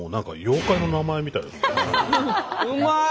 うまい！